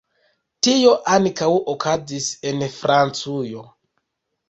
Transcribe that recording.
Tio ankaŭ okazis en Francujo.